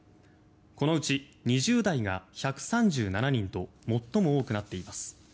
このうち２０代が１３７人と最も多くなっています。